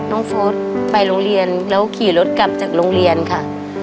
โฟสไปโรงเรียนแล้วขี่รถกลับจากโรงเรียนค่ะ